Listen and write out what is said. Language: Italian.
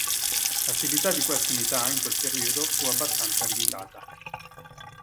L'attività di questa unità in quel periodo fu abbastanza limitata.